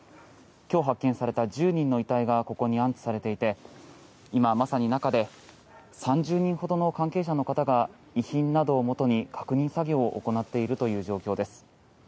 今日、発見された１０人の遺体がここに安置されていて今まさに、中で３０人ほどの関係者の方が遺品などをもとに確認作業を行っているという状況です。